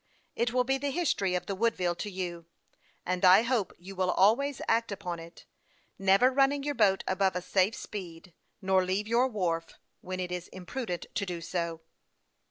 It will be the history of the Woodville to you, and I hope you will always act upon it, never running your boat above a safe speed, and never leaving your wharf when it is imprudent to do so."